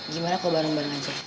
gimana kok bareng bareng aja